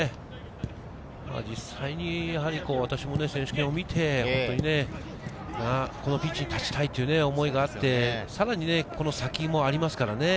実際に私も選手権を見てこのピッチに立ちたいという思いがあって、さらにこの先もありますからね。